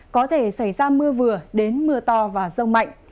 có thể xảy ra mưa vừa đến mưa to và rông mạnh